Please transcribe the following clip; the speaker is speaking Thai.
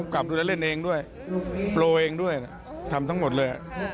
กลับดูแล้วเล่นเองด้วยโปรเองด้วยทำทั้งหมดเลย